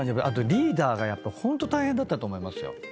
あとリーダーがホント大変だったと思いますよ。